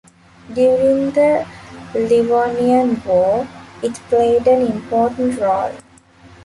During the Livonian War, it played an important role.